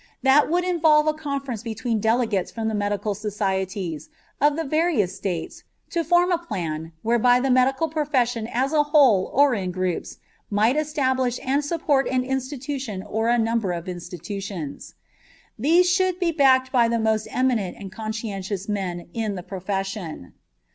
That would involve a conference between delegates from the medical societies of the various States to form a plan whereby the medical profession as a whole or in groups might establish and support an institution or a number of institutions. These should be backed by the most eminent and conscientious men in the profession.